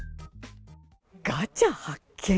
ガチャ発見！